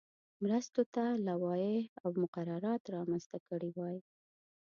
مرستو ته لوایح او مقررات رامنځته کړي وای.